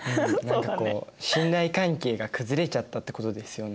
何かこう信頼関係が崩れちゃったってことですよね。